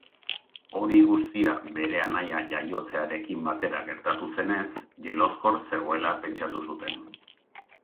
Hori guztia bere anaia jaiotzearekin batera gertatu zenez, jeloskor zegoela pentsatu zuten.